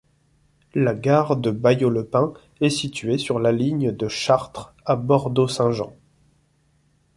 La gare de Bailleau-le-Pin est située sur la ligne de Chartres à Bordeaux-Saint-Jean.